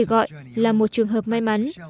nhưng gay say còn có thể gọi là một trường hợp may mắn